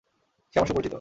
সে আমার সুপরিচিত।